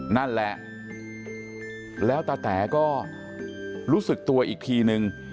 นั่นแหละแล้วตาแต๋ก็รู้สึกตัวอีกทีนึง